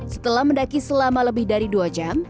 setelah mendaki selama lebih dari dua jam